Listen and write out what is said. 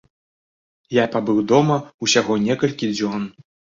Я пабыў дома ўсяго некалькі дзён.